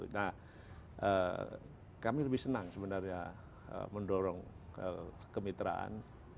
nah kami lebih senang sebenarnya mendorong kemitraan